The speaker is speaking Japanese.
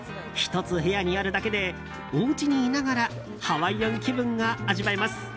１つ部屋にあるだけでおうちに居ながらハワイアン気分が味わえます。